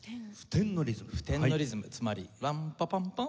付点のリズムつまり「ランパパンパーン」